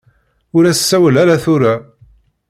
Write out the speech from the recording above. Ur as-ssawal ara tura.